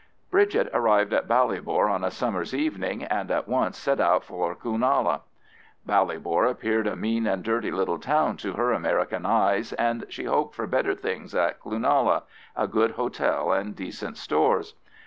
Bridget arrived at Ballybor on a summer's evening, and at once set out for Cloonalla. Ballybor appeared a mean and dirty little town to her American eyes, and she hoped for better things at Cloonalla—a good hotel and decent stores.